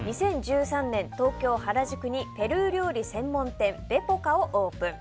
２０１３年、東京・原宿にペルー料理専門店ベポカをオープン。